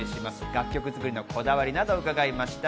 楽曲作りのこだわりなどを伺いました。